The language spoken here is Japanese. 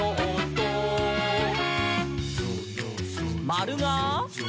「まるが？」